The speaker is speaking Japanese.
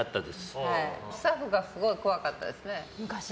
スタッフがすごい怖かったですね。